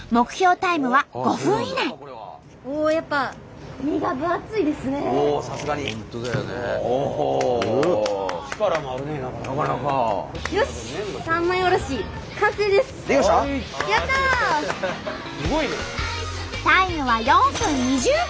タイムは４分２０秒！